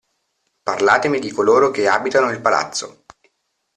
Parlatemi di coloro che abitano il palazzo.